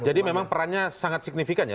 jadi memang perannya sangat signifikan ya